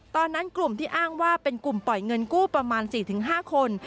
ตอนนั้นกลุ่มที่อ้างว่าเป็นกลุ่มปล่อยเงินกู้ประมาณ๔๕คน